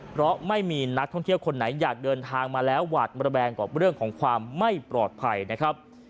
เพราะไม่มีนักท่องเที่ยวคนไหนอยากเดินทางมาแล้วหวาดระแวงกับเรื่องของความไม่ปลอดภัยนะครับ